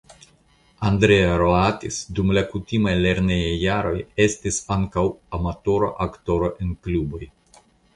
Andrea Roatis dum la kutimaj lernejaj jaroj estis ankaŭ amatora aktoro en kluboj.